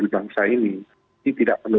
bangsa ini ini tidak perlu